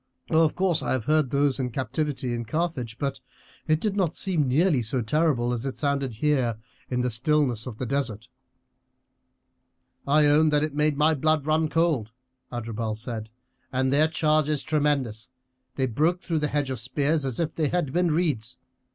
Of course I have heard those in captivity in Carthage, but it did not seem nearly so terrible as it sounded here in the stillness of the desert." "I own that it made my blood run cold," Adherbal said; "and their charge is tremendous they broke through the hedge of spears as if they had been reeds.